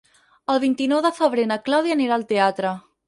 El vint-i-nou de febrer na Clàudia anirà al teatre.